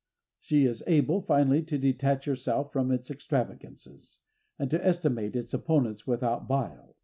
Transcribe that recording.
She is able, finally, to detach herself from its extravagances, and to estimate its opponents without bile.